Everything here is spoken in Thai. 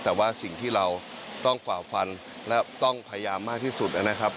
แต่ว่าสิ่งที่เราต้องฝ่าฟันและต้องพยายามมากที่สุดนะครับ